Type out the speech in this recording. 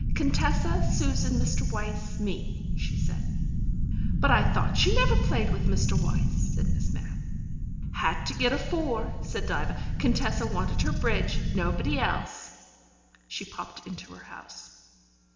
"Contessa, Susan, Mr. Wyse, me," she said. "But I thought she never played with Mr. Wyse," said Miss Mapp. "Had to get a four," said Diva. "Contessa wanted her bridge. Nobody else." She popped into her house.